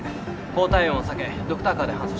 高体温を避けドクターカーで搬送します。